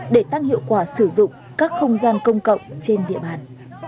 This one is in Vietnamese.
để tăng hiệu quả sử dụng các không gian công cộng trên địa bàn